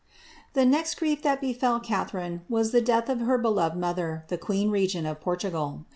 Tiie next grief that befel Catharine was the death of her beloved mother, the ijuecn n^gent of Portugal.'